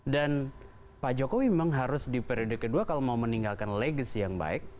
dan pak jokowi memang harus di periode kedua kalau mau meninggalkan legacy yang baik